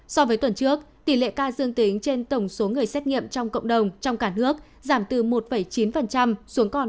so với tuần trước tỷ lệ ca dương tính trên tổng số người xét nghiệm trong cộng đồng trong cả nước giảm từ một chín xuống còn ba mươi